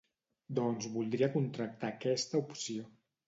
Doncs voldria contractar aquesta opció.